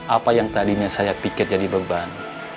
apa yang tadinya saya pikir jadi beban